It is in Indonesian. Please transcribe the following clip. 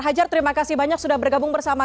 hajar terima kasih banyak sudah bergabung bersama